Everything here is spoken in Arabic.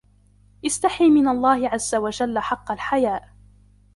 اسْتَحِ مِنْ اللَّهِ عَزَّ وَجَلَّ حَقَّ الْحَيَاءِ